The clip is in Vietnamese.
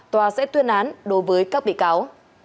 tòa sẽ tuyên án đối với các bị cáo